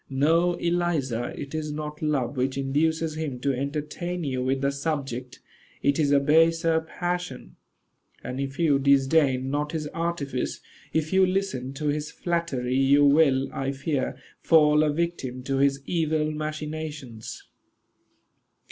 No, Eliza; it is not love which induces him to entertain you with the subject. It is a baser passion; and if you disdain not his artifice, if you listen to his flattery, you will, I fear, fall a victim to his evil machinations.